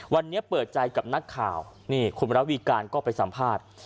วันนี้เปิดใจกับนักข่าวนี่คุณระวีการก็ไปสัมภาษณ์